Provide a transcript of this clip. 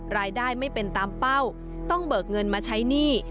รายได้ไม่เป็นตามเป้าต้องเบิกเงินมาใช้หนี้